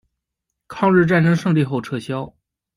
抗日战争胜利后撤销。